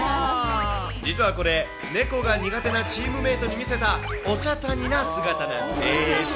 実はこれ、猫が苦手なチームメートに見せたおちゃ谷な姿なんです。